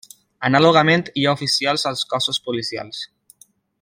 Anàlogament hi ha oficials als cossos policials.